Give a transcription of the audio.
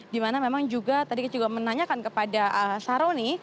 di mana memang juga tadi kita juga menanyakan kepada syahrul ini